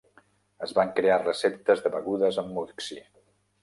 Es van crear receptes de begudes amb Moxie.